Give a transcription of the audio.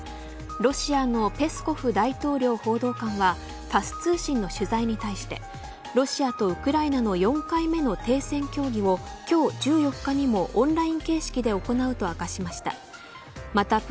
ロシアのペスコフ大統領報道官はタス通信の取材に対してロシアとウクライナの４回目の停戦協議を今日１４日にもオンライン形式で行うと明かしました。